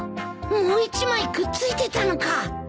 もう１枚くっついてたのか。